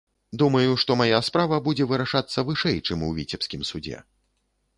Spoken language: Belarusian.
Думаю, што мая справа будзе вырашацца вышэй, чым у віцебскім судзе.